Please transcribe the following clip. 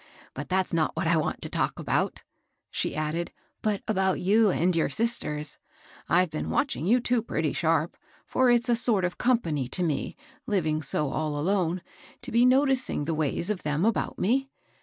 But that's not what I want to talk about," she added, "but about you and your sisters. I've been watching you two pretty sharp, for it's a sort of company to me, living so all alone, to be notic ing the ways of them about me.